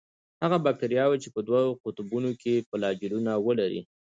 هغه باکتریاوې چې په دوو قطبونو کې فلاجیلونه ولري.